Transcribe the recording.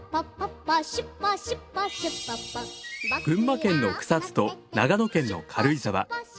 群馬県の草津と長野県の軽井沢。